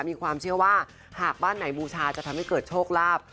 มีความเชื่อว่าหากบ้านไหนบูชาจะทำให้เกิดโชคลาภ